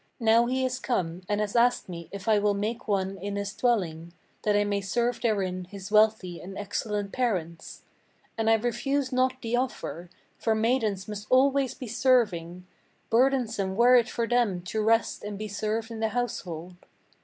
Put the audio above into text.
Now he is come, and has asked me if I will make one in his dwelling, That I may serve therein his wealthy and excellent parents. And I refuse not the offer; for maidens must always be serving; Burdensome were it for them to rest and be served in the household.